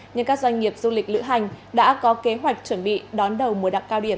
nhưng các doanh nghiệp du lịch lựa hành đã có kế hoạch chuẩn bị đón đầu mùa đặc cao điển